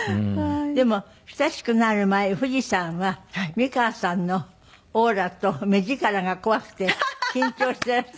でも親しくなる前藤さんは美川さんのオーラと目力が怖くて緊張していらしたんですって？